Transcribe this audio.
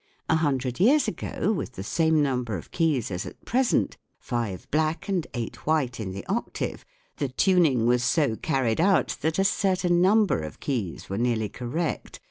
A hundred years ago, with the same number of keys as at pre sent, five black and eight white in the octave, the tuning was so carried out that a certain number of keys were nearly correct.